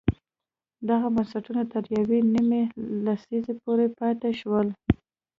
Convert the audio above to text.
دغه بنسټونه تر یوې نیمې لسیزې پورې پاتې شول.